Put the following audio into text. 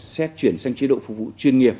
xét chuyển sang chế độ phục vụ chuyên nghiệp